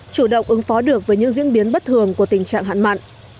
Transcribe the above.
chủ động ứng phó được với những diễn biến bất thường của tình trạng hạn mặn